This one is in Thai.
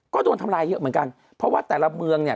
ก็โดนทำลายเยอะเหมือนกันเพราะว่าแต่ละเมืองเนี่ย